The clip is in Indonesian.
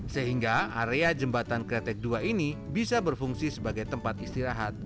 sehingga area jembatan kretek dua ini bisa berfungsi sebagai tempat istirahat